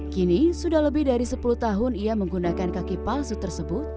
kini sudah lebih dari sepuluh tahun ia menggunakan kaki palsu tersebut